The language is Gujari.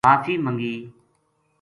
معافی منگی